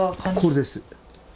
これです。